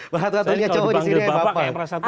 saya kalau dibanggil bapak kayak merasa tua